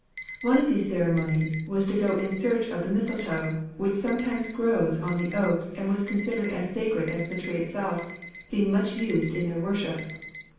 One of these ceremonies was to go in search of the mistletoe, which sometimes grows on the oak and was considered as sacred as the tree itself, being much used in their worship.